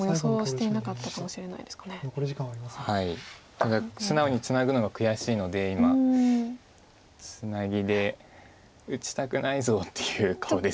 ただ素直にツナぐのが悔しいので今ツナギで打ちたくないぞっていう顔です